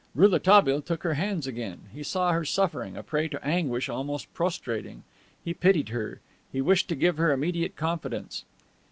Rouletabille took her hands again. He saw her suffering, a prey to anguish almost prostrating. He pitied her. He wished to give her immediate confidence.